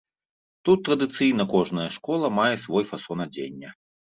Тут традыцыйна кожная школа мае свой фасон адзення.